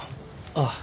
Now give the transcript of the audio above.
ああ。